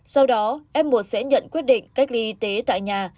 sau đó f một sẽ nhận quyết định cách ly y tế tại nhà